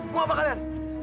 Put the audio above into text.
mau apa kalian